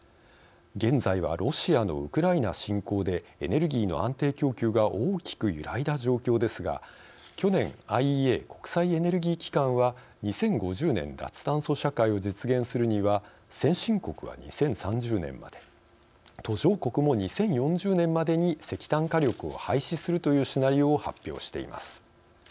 現在はロシアのウクライナ侵攻でエネルギーの安定供給が大きく揺らいだ状況ですが去年ＩＥＡ＝国際エネルギー機関は２０５０年脱炭素社会を実現するには先進国は２０３０年まで途上国も２０４０年までに石炭火力を廃止するというシナリオを発表しています。